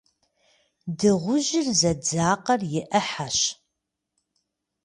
Дыгъужьыр зэдзакъэр и ӏыхьэщ.